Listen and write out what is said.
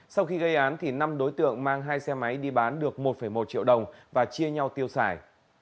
sau khi gây án thì năm đối tượng mang hai xe máy đi bán được một một triệu đồng và chia nhau tiêu xài